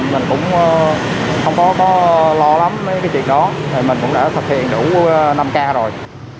mình cũng đã thực hiện đủ năm k rồi